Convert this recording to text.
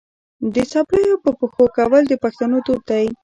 د څپلیو په پښو کول د پښتنو دود دی.